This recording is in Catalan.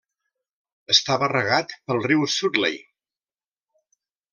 Estava regat pel riu Sutlej.